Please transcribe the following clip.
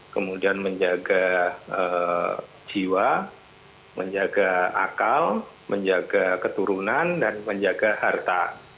kemudian menjaga jiwa menjaga akal menjaga keturunan dan menjaga harta